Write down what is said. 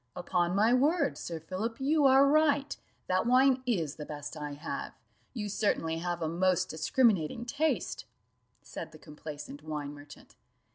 "Upon my word, Sir Philip, you are right that wine is the best I have you certainly have a most discriminating taste," said the complaisant wine merchant.